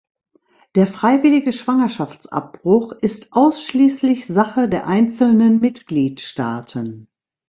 Der freiwillige Schwangerschaftsabbruch ist ausschließlich Sache der einzelnen Mitgliedstaaten.